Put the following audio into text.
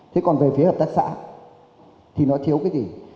thế còn về phía hợp tác xã thì nó thiếu cái gì